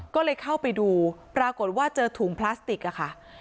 ก็เลยเข้าไปดูปรากฏว่าเจอถุงพลาสติกอะค่ะ